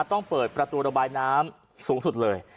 ต้องเปิดประตูระบายน้ำสูงสุดเลย